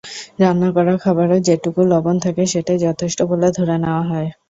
রান্না করা খাবারে যেটুকু লবণ থাকে, সেটাই যথেষ্ট বলে ধরে নেওয়া হয়।